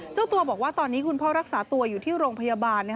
เจ้าตัวบอกว่าตอนนี้คุณพ่อรักษาตัวอยู่ที่โรงพยาบาล